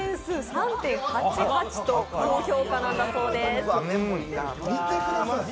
３．８８と高評価なんだそうです。